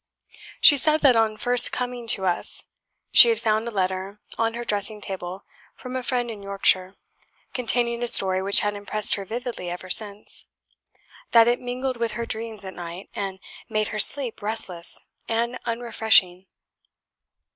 She said that on first coming to us, she had found a letter on her dressing table from a friend in Yorkshire, containing a story which had impressed her vividly ever since; that it mingled with her dreams at night, and made her sleep restless and unrefreshing.